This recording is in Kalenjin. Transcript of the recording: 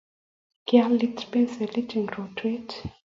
kialit penselit eng rotwee